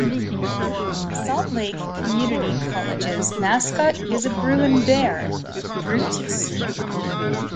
Salt Lake Community College's mascot is a Bruin Bear, "Brutus".